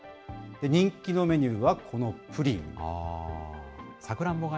人気のメニューは、このプリン。